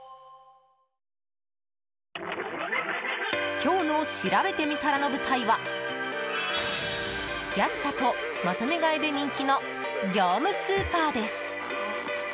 今日のしらべてみたらの舞台は安さと、まとめ買いで人気の業務スーパーです。